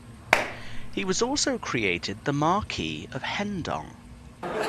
He was also created the Marquess of Hedong.